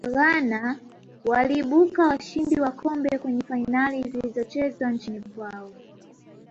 ghana waliibuka washindi wa kombe kwenye fainali zilizochezwa nchini kwao